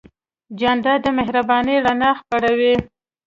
جانداد د مهربانۍ رڼا خپروي.